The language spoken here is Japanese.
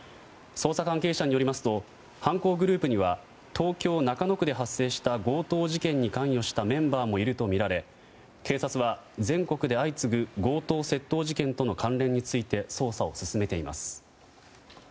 捜査関係者によりますと犯行グループには東京・中野区で発生した強盗事件に関与したメンバーもいるとみられ警察は、全国で相次ぐ強盗・窃盗事件との関連について捜査を進めています。